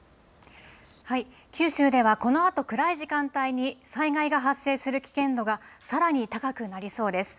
九州ではこのあと、暗い時間帯に災害が発生する危険度がさらに高くなりそうです。